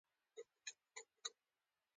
د ایڈینوکارسینوما د غدودي سرطان دی.